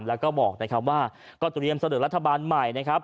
แล้วก็บอกนะครับว่าก็เตรียมเสนอรัฐบาลใหม่นะครับ